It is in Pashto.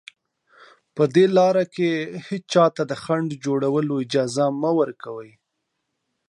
په دې لاره کې هېچا ته د خنډ جوړولو اجازه مه ورکوئ